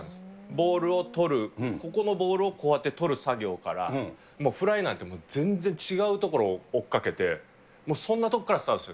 ボールを捕る、ここのボールをこうやって捕る作業から、もうフライなんて全然違う所を追っかけて、もうそんなところからスタートした。